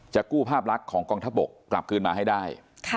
กู้ภาพลักษณ์ของกองทัพบกกลับคืนมาให้ได้